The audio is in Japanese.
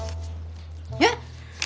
えっ！